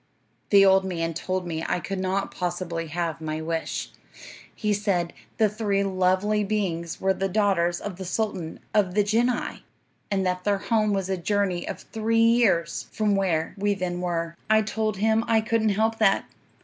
"'The old man told me I could not possibly have my wish. He said the three lovely beings were the daughters of the sultan of the genii, and that their home was a journey of three years from where we then were. "'I told him I couldn't help that.